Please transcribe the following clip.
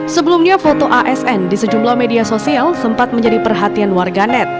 sebelumnya foto asn di sejumlah media sosial sempat menjadi perhatian warga net